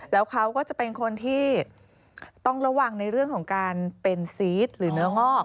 แล้วเขาก็จะเป็นคนที่ต้องระวังในเรื่องของการเป็นซีสหรือเนื้องอก